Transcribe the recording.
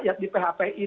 ya di phpi